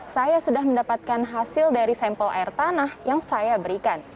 saya sudah mendapatkan hasil dari sampel air tanah yang saya berikan